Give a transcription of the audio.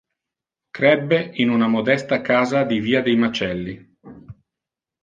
Crebbe in una modesta casa di via dei Macelli.